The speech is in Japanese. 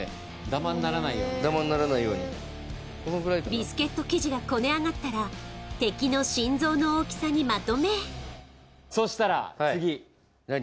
ダマにならないようにダマにならないようにビスケット生地がこね上がったら敵の心臓の大きさにまとめそうしたら次何？